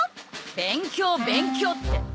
勉強勉強って。